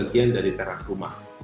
sebagian dari teras rumah